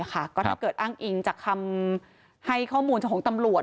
ก็ถ้าเกิดอ้างอิงจากคำให้ข้อมูลของตำรวจ